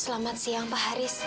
selamat siang pak haris